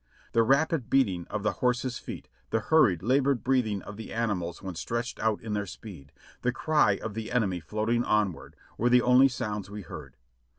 The rapid beating of the horses' feet, the hurried, labored breathing of the animals when stretched out in their speed, the cry of the enemy floating onward, were the only sounds we heard.